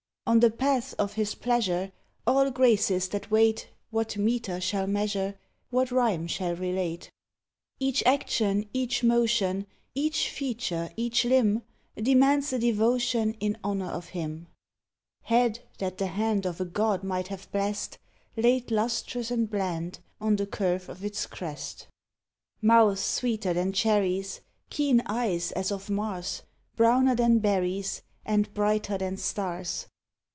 On the paths of his pleasure All graces that wait What metre shall measure What rhyme shall relate Each action, each motion, Each feature, each limb, Demands a devotion In honour of him: Head that the hand Of a god might have blest, Laid lustrous and bland On the curve of its crest: Mouth sweeter than cherries, Keen eyes as of Mars, Browner than berries And brighter than stars.